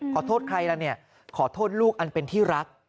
ขอโทษใครล่ะเนี่ยขอโทษลูกอันเป็นที่รัก